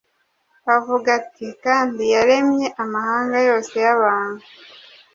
avuga ati, “Kandi yaremye amahanga yose y’abantu,